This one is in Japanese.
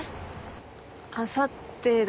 あさってだけど。